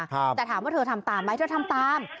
แต่ถามว่าเธอทำตามไหมเธอทำตาม